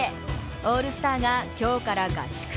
オールスターが今日から合宿。